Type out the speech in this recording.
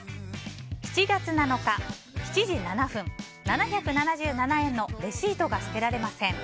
７月７日、７時７分、７７７円のレシートが捨てられません。